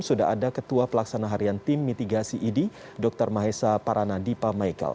sudah ada ketua pelaksana harian tim mitigasi idi dr mahesa paranadipa michael